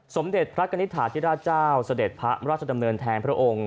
สมเด็จพระกัณฑาที่ราชาวสเด็จพระราชดำเนินแทงพระองค์